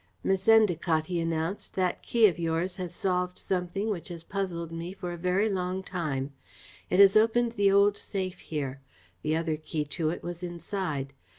"Miss Endacott," he announced, "that key of yours has solved something which has puzzled me for a very long time. It has opened the old safe here. The other key to it was inside.